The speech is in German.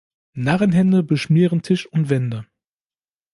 Narrenhände beschmieren Tisch und Wände.